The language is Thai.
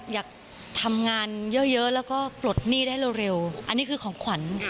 อยากทำงานเยอะแล้วก็ปลดหนี้ได้เร็วอันนี้คือของขวัญ